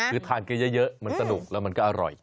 คือทานกันเยอะมันสนุกแล้วมันก็อร่อย